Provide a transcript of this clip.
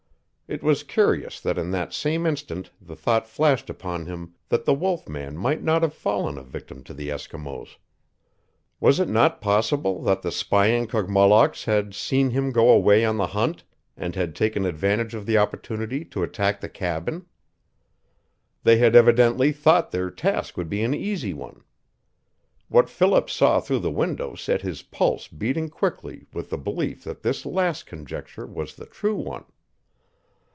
It was curious that in that same instant the thought flashed upon him that the wolf man might not have fallen a victim to the Eskimos. Was it not possible that the spying Kogmollocks had seen him go away on the hunt, and had taken advantage of the opportunity to attack the cabin? They had evidently thought their task would be an easy one. What Philip saw through the window set his pulse beating quickly with the belief that this last conjecture was the true one.